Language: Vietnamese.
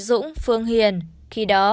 dũng phương hiền khi đó